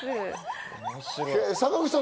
坂口さん